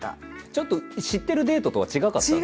ちょっと知ってるデートとは違かったんですか？